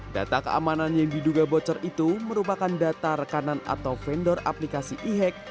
data keamanan yang diduga bocor itu merupakan data rekanan atau vendor aplikasi e hack